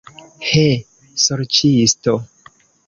He, sorĉisto!